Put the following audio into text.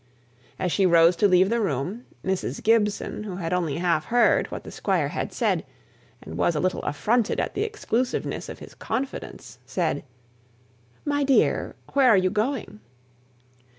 As she rose to leave the room, Mrs. Gibson, who had only half heard what the Squire had said, and was a little affronted at the exclusiveness of his confidence, said, "My dear, where are you going?"